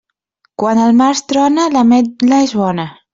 Quan al març trona, l'ametla és bona.